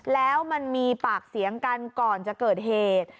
แล้วมันมีปากเสียงกันก่อนจะเกิดเหตุ